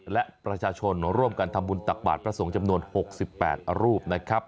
และประชาชนร่วมกันทำบุญตักบาทพระสงฆ์จำนวน๖๘รูปนะครับ